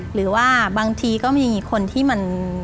หรือว่าบางทีก็มีคนที่มัน